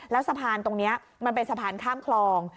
แล้วสะพานตรงนี้มันเป็นสะพานข้ามคลอง